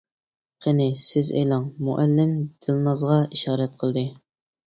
-قېنى سىز ئېلىڭ، -مۇئەللىم دىلنازغا ئىشارە قىلدى.